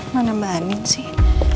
mana mbak amin sih